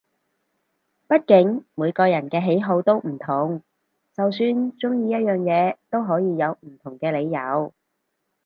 畢竟每個人嘅喜好都唔同，就算中意同一樣嘢都可以有唔同嘅理由